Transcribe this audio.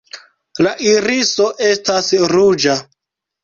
La iriso estas ruĝa.